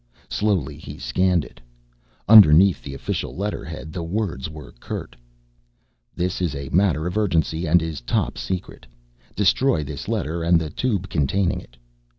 Slowly, he scanned it. Underneath the official letterhead, the words were curt. "_Dis iz A matr uv urjensE and iz top sEkret. destrY Dis letr and Du tUb kontAniN it.